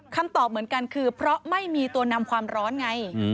คำตอบเหมือนกันคือเพราะไม่มีตัวนำความร้อนไง